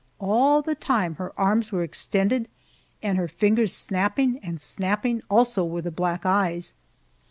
All the time her arms were extended and her fingers snapping, and snapping also were the black eyes.